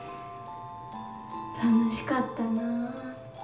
楽しかったな。